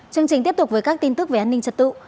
chương trình tiếp tục với các tin tức về an ninh trật tự